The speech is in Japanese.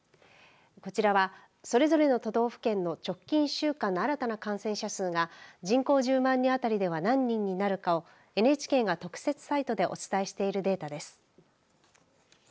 こちらはそれぞれの都道府県の直近１週間の新たな感染者数が人口１０万人当たりでは何人になるかをＮＨＫが特設サイトでお伝えしているデータです。